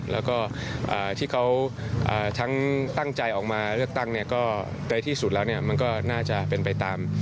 แล้วก็ที่เขาทั้งตั้งใจออกมาเลือกตั้งเนี่ยก็ในที่สุดแล้วมันก็น่าจะเป็นไปตาม